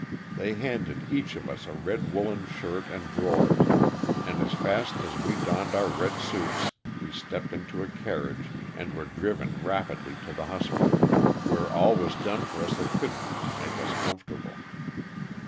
They handed each of us a red woolen shirt and drawers, and as fast as we donned our red suits we stepped into a carriage and were driven rapidly to the hospital, where all was done for us that could be to make us comfortable.